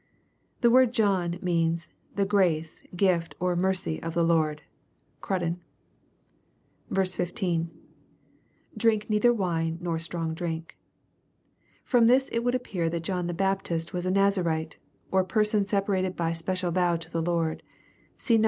] The word John means " the grace, gift^ or mercy of the Lord." Cruden, 15. — [Drink neither vnne nor strong drink.'] Prom this it would ap pear that John the Baptist was a Nazarite, or person separated by special vow to the Lord. See Num.